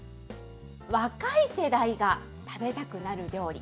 若い世代が食べたくなる料理。